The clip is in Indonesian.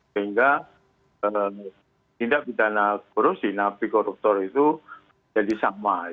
sehingga tindak pidana korupsi napi koruptor itu jadi sama